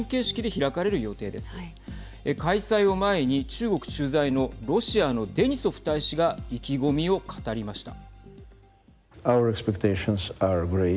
開催を前に、中国駐在のロシアのデニソフ大使が意気込みを語りました。